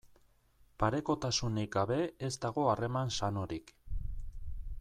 Parekotasunik gabe ez dago harreman sanorik.